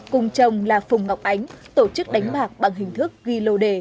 cùng chồng là phùng ngọc ánh tổ chức đánh bạc bằng hình thức ghi lô đề